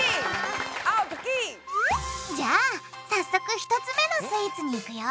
じゃあ早速１つ目のスイーツにいくよ！